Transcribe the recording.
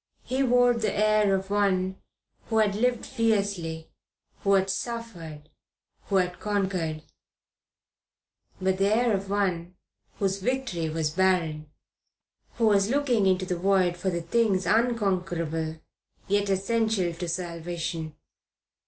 He wore the air of one who had lived fiercely, who had suffered, who had conquered; but the air of one whose victory was barren, who was looking into the void for the things unconquerable yet essential to salvation.